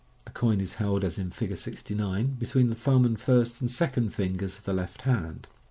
The coin is held as in Fig. 69, between the thumb and first and second fingers of the left hand.